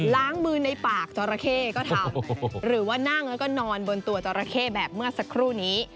ล้างมือในปากจอราเข้ก็ทำหรือว่านั่งแล้วก็นอนบนตัวจราเข้แบบเมื่อสักครู่นี้